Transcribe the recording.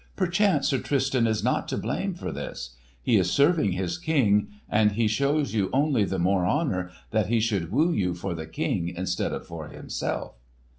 "Perchance Sir Tristan is not to blame for this. He is serving his King; and he shows you only the more honour, that he should woo you for the King instead of for himself."